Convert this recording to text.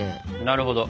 なるほど。